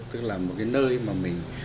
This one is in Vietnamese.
tức là một cái nơi mà mình